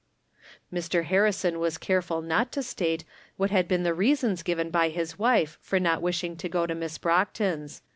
Mr. Harrison was careful not to state what had been the reasons given by his wife for not wishing to go to Miss Brockton's.